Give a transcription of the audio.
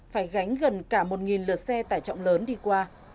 phải gánh gần cả một lượt xe tải trọng lớn đi qua